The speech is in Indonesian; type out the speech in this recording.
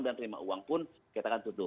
dan penerimaan uang pun kita akan tutup